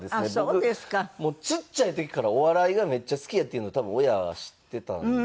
僕もうちっちゃい時からお笑いがめっちゃ好きやっていうの多分親が知ってたんで。